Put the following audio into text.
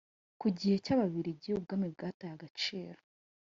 Ku gihe cy'Ababiligi ubwami bwataye agaciro.